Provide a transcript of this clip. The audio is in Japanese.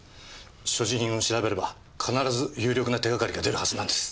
所持品を調べれば必ず有力な手掛かりが出るはずなんです。